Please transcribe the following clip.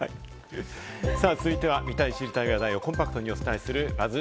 さぁ、続いては見たい知りたい話題をコンパクトにお伝えするＢＵＺＺ